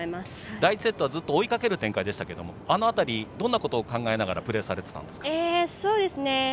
第１セットはずっと追いかける展開でしたけれどもあの辺りどんなことを考えながらプレーされてたんですか？